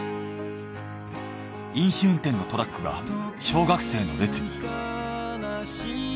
飲酒運転のトラックが小学生の列に。